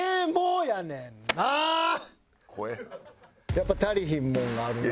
やっぱ足りひんもんがあるなと。